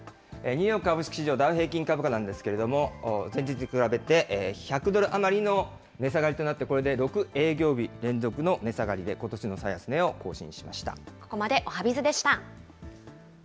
ニューヨーク株式市場、ダウ平均株価なんですけれども、前日に比べて１００ドル余りの値下がり、これで６営業日連続の値下がりで、ことしの最安値を更新しました。